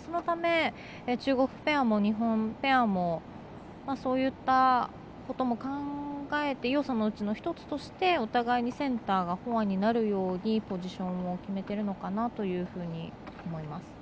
そのため中国ペアも日本ペアもそういったことも考えて要素のうちの１つとしてお互いにセンターがフォアになるように、いいポジションを決めてるのかなと思います。